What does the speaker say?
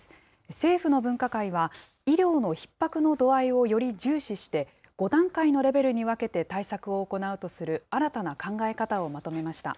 政府の分科会は、医療のひっ迫の度合いをより重視して、５段階のレベルに分けて対策を行うとする新たな考え方をまとめました。